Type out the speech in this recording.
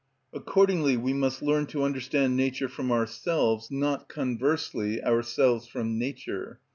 Accordingly we must learn to understand nature from ourselves, not conversely ourselves from nature.